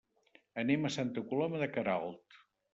Anem a Santa Coloma de Queralt.